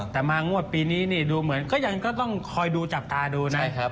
แต่มางวดปีนี้ดูเหมือนก็ยังต้องคอยดูจับตาดูนะ